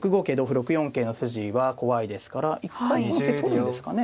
６四桂の筋は怖いですから一回この桂取るんですかね。